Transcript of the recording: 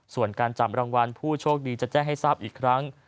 ส่วนการจับรางวัลผู้โชคดีจะแจ้งให้ทราบอีกครั้ง